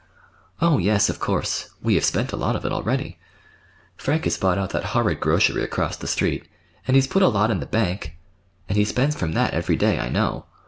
"Oh, yes, of course. We have spent a lot of it, already. Frank has bought out that horrid grocery across the street, and he's put a lot in the bank, and he spends from that every day, I know.